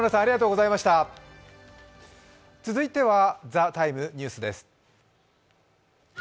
続いては「ＴＨＥＴＩＭＥ，ニュース」です